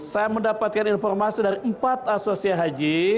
saya mendapatkan informasi dari empat asosiasi haji